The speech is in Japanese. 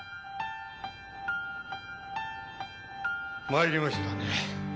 参りましたね。